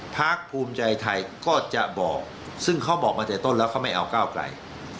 พักภูมิใจไทยก็จะบอกซึ่งเขาบอกมาแต่ต้นแล้วเขาไม่เอาก้าวไกล